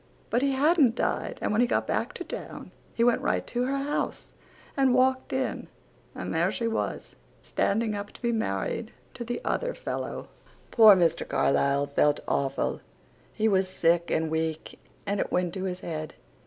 But he hadnt died and when he got back to town he went right to her house and walked in and there she was standing up to be married to the other fellow. Poor Mr. Carlisle felt awful. He was sick and week and it went to his head.